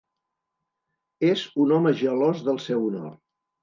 És un home gelós del seu honor.